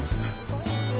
こんにちは。